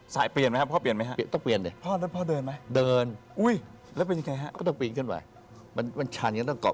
สายเปลี่ยนไหมครับพ่อเปลี่ยนไหมครับพี่สาวเปลี่ยนเสื้อสายเปลี่ยนไหมครับพี่สาวเปลี่ยนเสื้อสายเปลี่ยนไหมครับ